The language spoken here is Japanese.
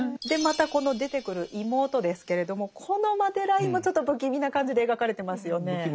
でまたこの出てくる妹ですけれどもこのマデラインもちょっと不気味な感じで描かれてますよね。